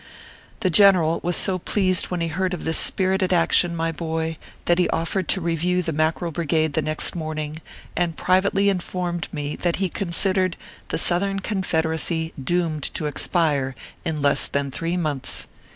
The general was so pleased when he heard of this spirited action, my boy, that he offered to review the Mackerel Brigade the next morning, and privately informed me that he considered the Southern Confed 176 ORPHEUS C. KERR PAPERS. eracy doomed to expire in less than three months.